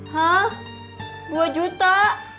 hah dua juta